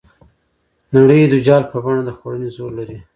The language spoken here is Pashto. نړۍ د جال په بڼه د خوړنې زور لري.